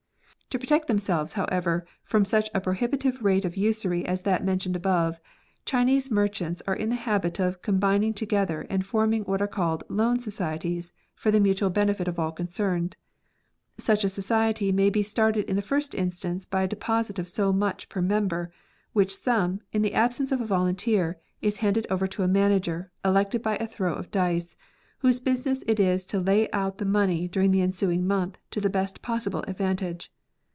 Go To protect themselves, however, from such a prohi bitive rate of usury as that mentioned above, Chinese merchants are in the habit of combining together and forming what are called Loan Societies for the mutual benefit of all concerned. Such a society may be started in the first instance by a deposit of so much per member, which sum, in the absence of a volunteer, is handed over to a manager, elected by a throw of dice, whose business it is to lay out the money during the ensuiug month to the best possible advantage.